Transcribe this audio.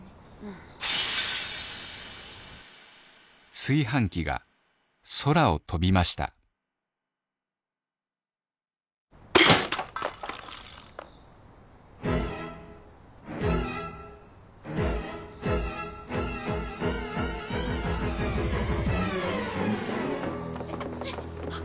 炊飯器が空を飛びましたえっ。